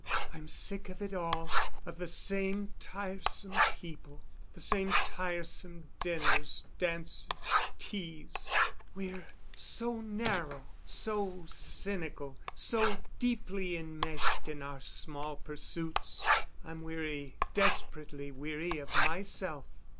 "I'm sick of it all, of the same tiresome people, the same tiresome dinners, dances, teas. We're so narrow, so cynical, so deeply enmeshed in our small pursuits. I'm weary—desperately weary of myself."